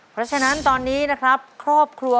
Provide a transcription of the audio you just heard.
เพราะฉะนั้นตอนนี้นะครับครอบครัว